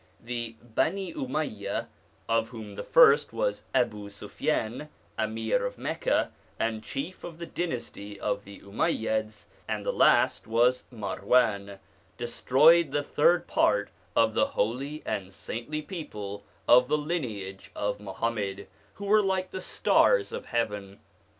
The Bani Umayya, of whom the first was Abu Sufian, Amir of Mecca and chief of the dynasty of the Umayyads, and the last was Marwan, destroyed the third part of the holy and saintly people of the lineage of Muhammad who were like the stars of heaven.